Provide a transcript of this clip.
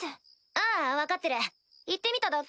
ああ分かってる言ってみただけ。